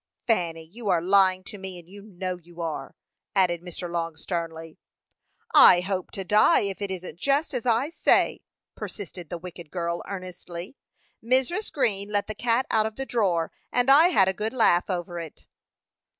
"Fanny, you are lying to me, and you know you are," added Mr. Long, sternly. "I hope to die if it isn't just as I say!" persisted the wicked girl, earnestly. "Mrs. Green let the cat out of the drawer, and I had a good laugh over it."